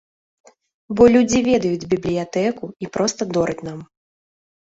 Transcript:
Бо людзі ведаюць бібліятэку і проста дораць нам.